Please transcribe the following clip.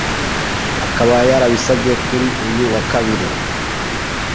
Akaba yarabisabye kuri uyu wa kabiri